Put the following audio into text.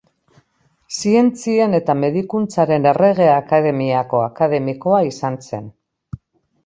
Zientzien eta Medikuntzaren Errege Akademiako akademikoa izan zen.